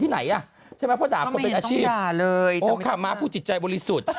ที่ไหนอะใช่ไหมเพราะด่าคนเป็นอาชีพไม่เห็นจะต้องด่าเลยโอเค่ะมาพูดจิตใจบุรีสุทธิ์